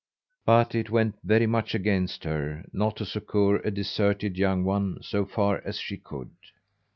But it went very much against her not to succour a deserted young one so far as she could.